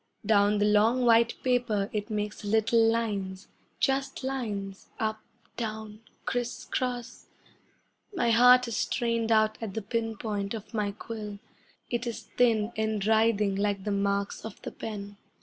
Down the long, white paper it makes little lines, Just lines up down criss cross. My heart is strained out at the pin point of my quill; It is thin and writhing like the marks of the pen.